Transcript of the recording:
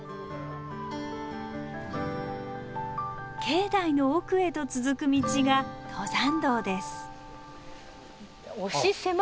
境内の奥へと続く道が登山道です。